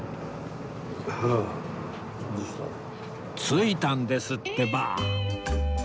着いたんですってば！